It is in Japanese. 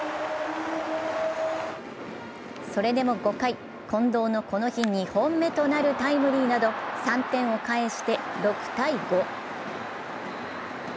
それでも５回、近藤のこの日２本目となるタイムリーなど、３点を返して６−５。